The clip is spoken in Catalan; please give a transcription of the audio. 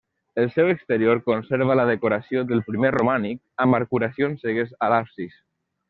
El seu exterior conserva la decoració del primer romànic amb arcuacions cegues a l'absis.